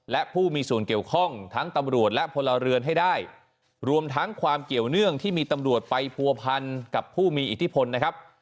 และผู้มีส่วนเกี่ยวข้องทั้งตำรวจและพลเรือนให้ได้รวมทั้งความเกี่ยวเนื่องที่มีตำรวจไปผัวพันกับผู้มีอิทธิพลนะครับ